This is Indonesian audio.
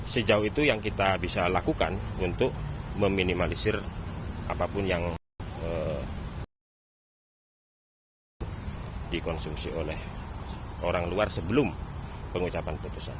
sejauh itu yang kita bisa lakukan untuk meminimalisir apapun yang dikonsumsi oleh orang luar sebelum pengucapan putusan